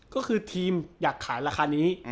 ก็คือทีมอยากขายราคานี้